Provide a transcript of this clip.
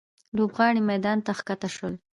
لوبغاړي میدان ته ښکته شول.